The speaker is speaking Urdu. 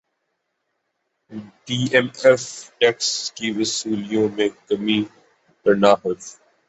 ئی ایم ایف ٹیکس کی وصولیوں میں کمی پر ناخوش